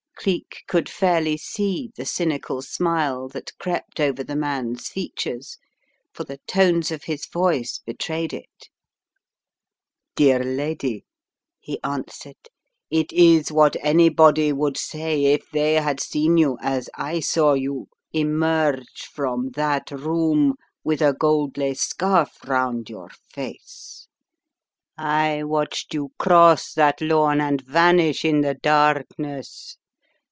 " Cleek could fairly see the cynical smile that crept over the man's features, for the tones of his voice betrayed it. "Dear lady," he answered, "it is what anybody would say if they had seen you, as I saw you, emerge 234 The Riddle of the Purple Emperor from that room with a gold lace scarf round your face. I watched you cross that lawn and vanish in the darkness."